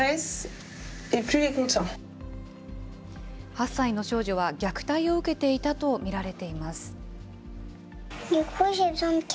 ８歳の少女は虐待を受けていたと見られています。